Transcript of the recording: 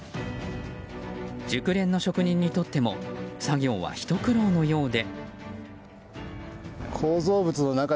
熟練の職人にとっても作業は、ひと苦労のようで。